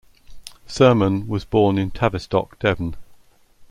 Surman was born in Tavistock, Devon.